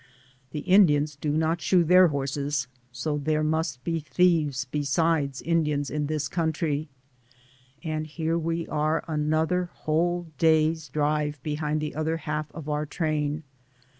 The Indians do not shoe their horses, so there must be thieves besides Indians in this country. And here we are another whole day's drive behind the other half of our train.